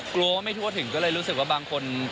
กลัวว่าไม่ทั่วถึงก็เลยรู้สึกว่าบางคน